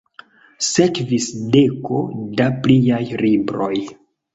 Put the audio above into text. Sekvis deko da pliaj libroj.